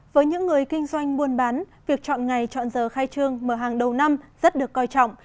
với những người kinh doanh buôn bán việc chọn ngày chọn giờ khai trương mở hàng đầu năm rất được coi trọng